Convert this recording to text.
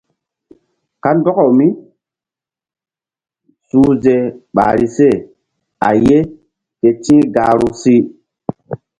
Kandɔkaw mísuhze ɓahri se a ye ke ti̧h gahru si.